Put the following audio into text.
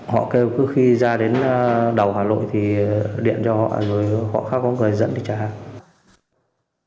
họ kêu cứ khi ra đến đầu hà nội thì điện cho họ rồi họ khác có người dẫn để trả hàng